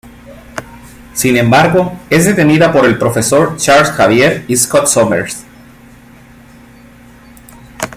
Sin embargo, es detenida por el profesor Charles Xavier y Scott Summers.